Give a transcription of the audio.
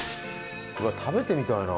食べてみたいな。